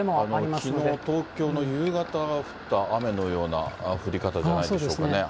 きのう、東京の、夕方降った雨のような、降り方じゃないでしょうかね。